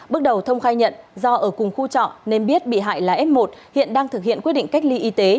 bước đầu thông khai nhận do ở cùng khu trọ nên biết bị hại là f một hiện đang thực hiện quyết định cách ly y tế